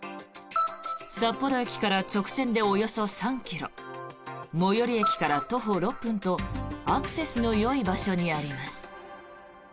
札幌駅から直線でおよそ３ｋｍ最寄駅から徒歩６分とアクセスのよい場所にあります。